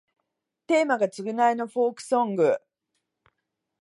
テーマが償いのフォークソング